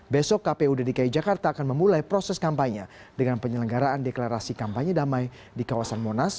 besok kpu dki jakarta akan memulai proses kampanye dengan penyelenggaraan deklarasi kampanye damai di kawasan monas